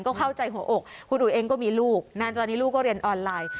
ก็เข้าใจหัวอกคุณอุ๋ยเองก็มีลูกนานตอนนี้ลูกก็เรียนออนไลน์